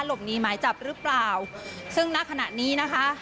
หลบหนีหมายจับหรือเปล่าซึ่งณขณะนี้นะคะ